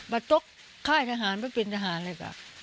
ประตุ๊กค่ายทหารประตุ๊กปินทหารเลยค่ะ